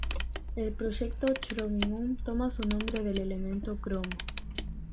El Proyecto Chromium toma su nombre del elemento cromo.